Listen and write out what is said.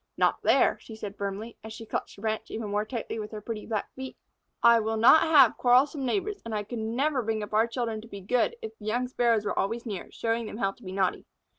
"Not there," she said firmly, as she clutched the branch even more tightly with her pretty black feet. "I will not have quarrelsome neighbors, and I could never bring our children up to be good if the young Sparrows were always near, showing them how to be naughty."